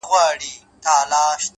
ژوند سرینده نه ده، چي بیا یې وږغوم،